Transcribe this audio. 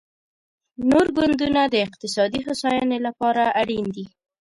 نور ګوندونه د اقتصادي هوساینې لپاره اړین دي